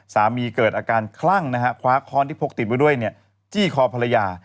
สามีเกิดอาการคลั่งคว้าค้อนที่พกติดด้วยจี้คอภรรยา